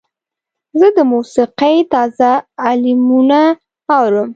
زه د موسیقۍ تازه البومونه اورم.